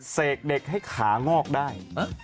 เสกเด็กให้ขางอกได้